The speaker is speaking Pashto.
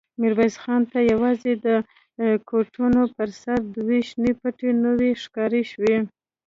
ميرويس خان ته يواځې د کوټونو پر سر دوې شنې پټې نوې ښکاره شوې.